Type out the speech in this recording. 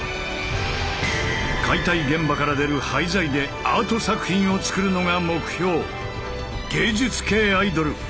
解体現場から出る廃材でアート作品を作るのが目標。